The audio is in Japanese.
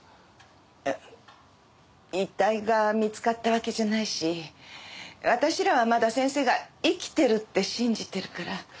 あ遺体が見つかったわけじゃないし私らはまだ先生が生きてるって信じてるから。